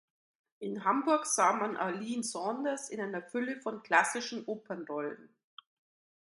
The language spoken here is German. In Hamburg sah man Arlene Saunders in einer Fülle von klassischen Opernrollen.